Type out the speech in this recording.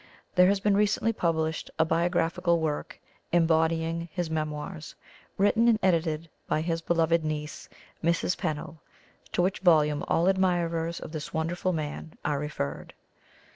There has been recently published a biographical work embodying his memoirs, written and edited by his beloved niece, Mrs. Pennell, to which volume all admirers of this wonderful man are referred.